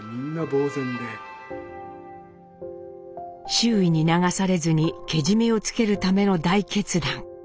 周囲に流されずにけじめをつけるための大決断。